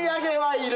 いる？